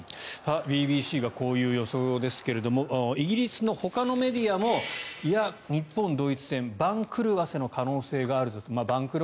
ＢＢＣがこういう予想ですがイギリスのほかのメディアもいや、日本、ドイツ戦は番狂わせの可能性があるぞと。